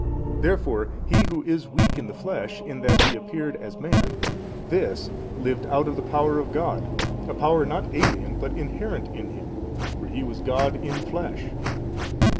A. Therefore He Who is weak in the flesh in that He appeared as man, This lived out of the power of God, a power not alien but inherent in Him, for He was God in flesh.